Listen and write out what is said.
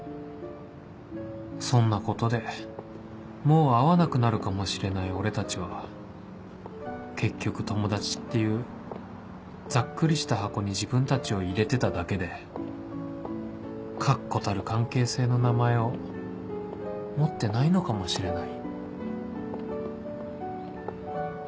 そんなことでもう会わなくなるかもしれない俺たちは結局「友達」っていうざっくりした箱に自分たちを入れてただけで確固たる関係性の名前を持ってないのかもしれない